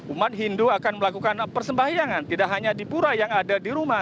umat hindu akan melakukan persembahyangan tidak hanya di pura yang ada di rumah